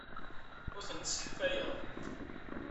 Ur tent-sseḥfayeɣ.